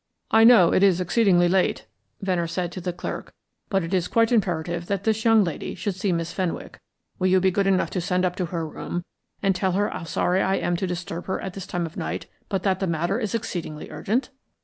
"I know it is exceedingly late," Venner said to the clerk, "but it is quite imperative that this young lady should see Miss Fenwick. Will you be good enough to send up to her room and tell her how sorry I am to disturb her at this time of night, but that the matter is exceedingly urgent?"